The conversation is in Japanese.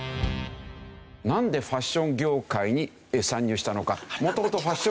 なんでファッション業界に参入したのか。